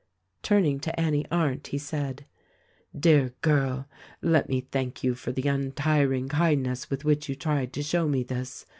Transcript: Turning to Annie Arndt he said : "Dear girl, let me thank you for the untiring kindness with which you tried to show me this.